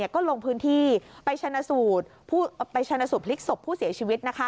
ก็ลงพื้นที่ไปชนะสูตรพลิกศพผู้เสียชีวิต